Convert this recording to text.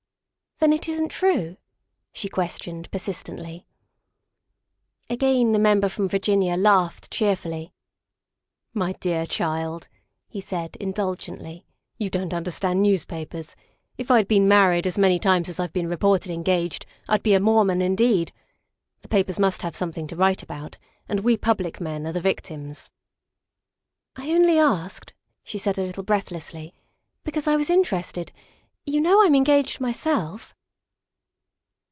" Then it isn't true?" she questioned persistently. Again the Member from Virginia laughed cheerfully. " My dear child," he said indulgently, " you don't understand newspapers. If I had been married as many times as I've been reported engaged, I'd be a Mormon indeed. The papers must have something to write about and we public men are the victims. ''" I only asked," she said a little breathlessly, " because I was interested. You know I'm engaged myself.